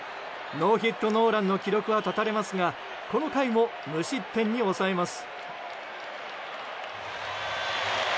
ノーヒットノーランの記録は絶たれますがこの回も無失点に抑えます。